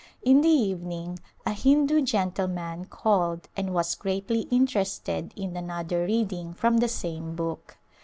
In the evening a Hindu gentleman called and was greatly interested in another reading from the same book.